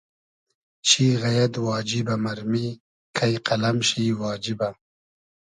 چی غئیئد واجیبۂ مئرمی کݷ قئلئم شی واجیبۂ